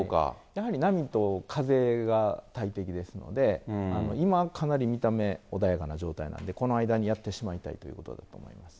やはり波と風が大敵ですので、今かなり見た目穏やかな状態なので、この間にやってしまいたいということだと思います。